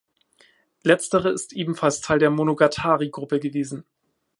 Letztere ist ebenfalls Teil der Monogatari-Gruppe gewesen.